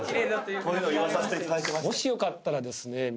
もしよかったらですね